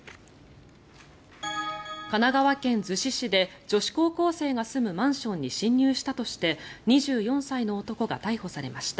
神奈川県逗子市で女子高校生が住むマンションに侵入したとして２４歳の男が逮捕されました。